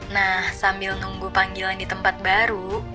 nah sambil nunggu panggilan di tempat baru